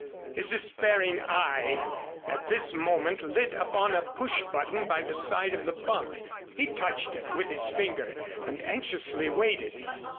His despairing eye at this moment lit upon a push button by the side of the bunk. He touched it with his finger and anxiously waited.